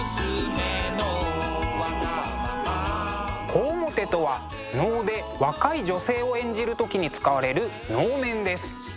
小面とは能で若い女性を演じる時に使われる能面です。